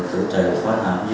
chủ trì phối hợp với